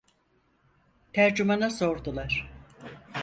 Tercümana sordular: